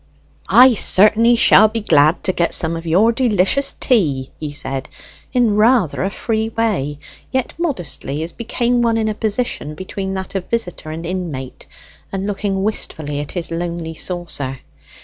"I certainly shall be glad to get some of your delicious tea," he said in rather a free way, yet modestly, as became one in a position between that of visitor and inmate, and looking wistfully at his lonely saucer.